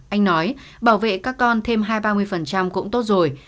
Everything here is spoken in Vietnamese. anh nói bảo vệ các con thêm hai trăm ba mươi cũng tốt rồi